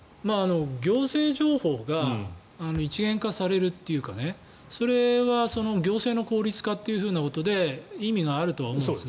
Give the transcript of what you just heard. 行政情報が一元化されるというかそれは行政の効率化ということで意味があるとは思います。